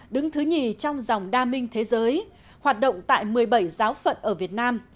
đứng thứ nhì trong dòng đa minh thế giới hoạt động tại một mươi bảy giáo phận ở việt nam